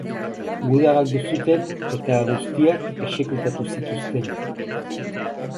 Guda galdu zuten eta guztiak exekutatu zituzten.